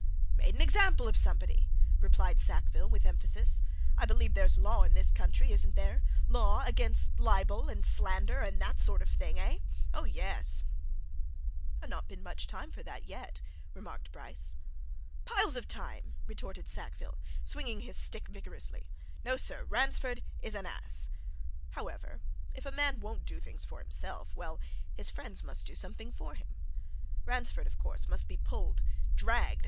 "Made an example of somebody," replied Sackville, with emphasis. "I believe there's law in this country, isn't there? law against libel and slander, and that sort of thing, eh? Oh, yes!" "Not been much time for that yet," remarked Bryce. "Piles of time," retorted Sackville, swinging his stick vigorously. "No, sir, Ransford is an ass! However, if a man won't do things for himself, well, his friends must do something for him. Ransford, of course, must be pulled dragged!